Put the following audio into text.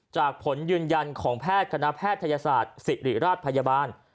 ผลยืนยันของแพทย์คณะแพทยศาสตร์ศิริราชพยาบาล